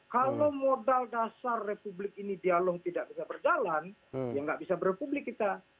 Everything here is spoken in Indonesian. kalau modal dasar republik ini dialog tidak bisa berjalan ya nggak bisa berpublik kita